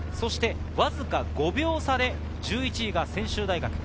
わずか５秒差で１１位は専修大学。